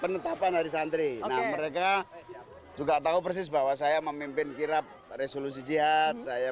penetapan dari santri mereka juga tahu persis bahwa saya memimpin kirab resolusi jihad saya